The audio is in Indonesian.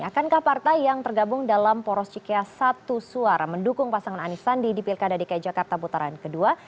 akankah partai yang tergabung dalam poros cikeas satu suara mendukung pasangan anis sandi di pilkada dki jakarta putaran kedua